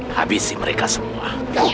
habisi mereka semua